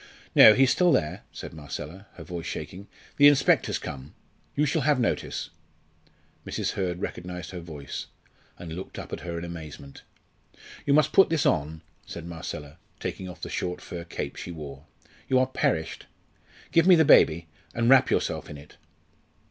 "No, he's still there," said Marcella, her voice shaking. "The inspector's come. You shall have notice." Mrs. Hurd recognised her voice, and looked up at her in amazement. "You must put this on," said Marcella, taking off the short fur cape she wore. "You are perished. Give me the baby, and wrap yourself in it."